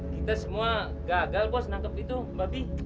kita semua gagal nangkep itu babi